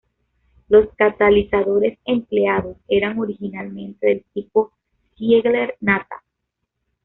Los catalizadores empleados eran originalmente del tipo Ziegler-Natta.